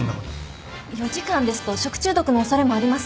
４時間ですと食中毒の恐れもあります